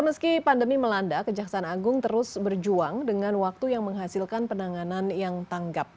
meski pandemi melanda kejaksaan agung terus berjuang dengan waktu yang menghasilkan penanganan yang tanggap